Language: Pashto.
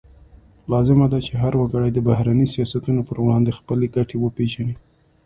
لازمه ده چې هر وګړی د بهرني سیاستونو پر وړاندې خپلې ګټې وپیژني